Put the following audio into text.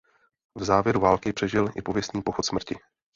V závěru války přežil i pověstný pochod smrti.